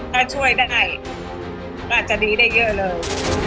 ถ้าช่วยได้ก็อาจจะดีได้เยอะเลย